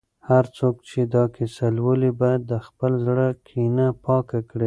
هر څوک چې دا کیسه لولي، باید د خپل زړه کینه پاکه کړي.